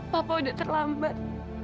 papa udah terlambat